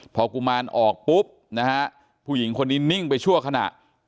พอกุมารออกปุ๊บนะฮะผู้หญิงคนนี้นิ่งไปชั่วขณะ